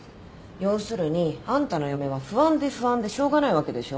要するにあんたの嫁は不安で不安でしょうがないわけでしょ？